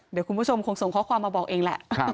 เดี๋ยวคุณผู้ชมคงส่งข้อความมาบอกเองแหละ